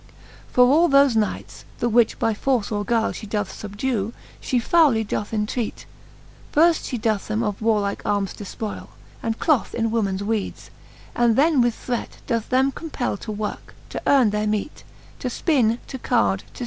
XXXI. For all thofe knights, the which by force or guile She doth fubdue, fhe fowly doth entreate. Firft fhe doth them of warlike armes defpoile, And cloth in womens weedes : And then with threat Doth them compell to worke, to earne their meat, To fpin, to card, to {q.